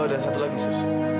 oh dan satu lagi sus